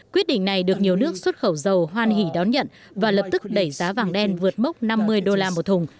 quyết định này được nhiều nước xuất khẩu dầu hoan hỷ đón nhận và lập tức đẩy giá vàng đen vượt mốc năm mươi đô la một thùng